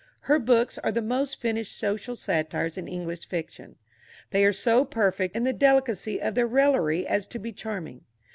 Her books are the most finished social satires in English fiction. They are so perfect in the delicacy of their raillery as to be charming.